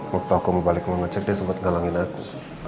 mokto aku mau balik mau ngecek dia sempet ngalangin aku